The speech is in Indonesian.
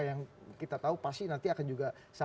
yang kita tahu pasti nanti akan juga